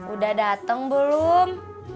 udah dateng belum